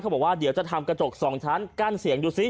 เขาบอกว่าเดี๋ยวจะทำกระจก๒ชั้นกั้นเสียง